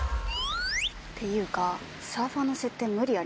っていうか。